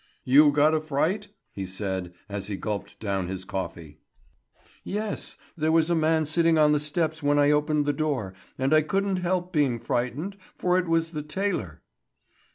"You got a fright?" he said, as he gulped down his coffee. "Yes. There was a man sitting on the steps when I opened the door; and I couldn't help being frightened, for it was the tailor."